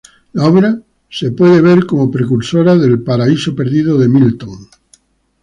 La obra puede ser vista como precursora del El paraíso perdido de Milton.